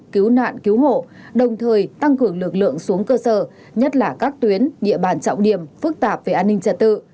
cứu nạn cứu hộ đồng thời tăng cường lực lượng xuống cơ sở nhất là các tuyến địa bàn trọng điểm phức tạp về an ninh trật tự